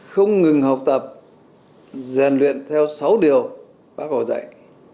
không ngừng học tập giàn luyện theo sáu điều bác bảo dạy